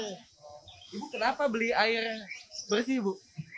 ini kenapa beli air bersih bu